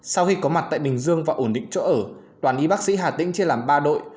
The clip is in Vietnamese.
sau khi có mặt tại bình dương và ổn định chỗ ở đoàn y bác sĩ hà tĩnh chia làm ba đội